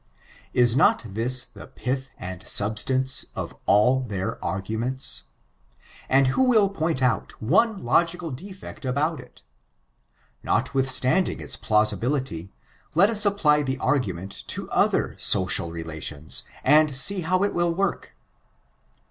Is not thiff the pidi and substance of all their arguments t And who will pomt out one logical defect about itt Notwithstanding its plausibility, let us apply the argument to other social relations, and see how it will work.